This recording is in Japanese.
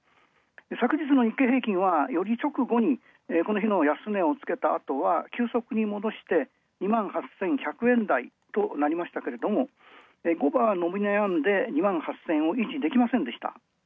昨日の日経平均株価は、よりちょくごにこの日の安値をつけたあとは急速に戻して、２８１００台となりましたけれども午後は伸び悩んで、２８０００円を維持できませんでした。